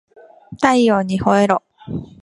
太陽にほえろ